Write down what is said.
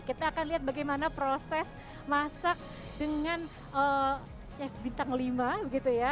kita akan lihat bagaimana proses masak dengan chef bintang lima begitu ya